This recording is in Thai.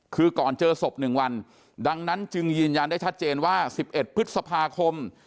คือก่อนเจอศพ๑วันดังนั้นจึงยืนยันได้ชัดเจนว่า๑๑พฤษภาคม